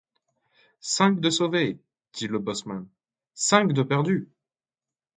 Cinq de sauvés! dit le bosseman, — Cinq de perdus !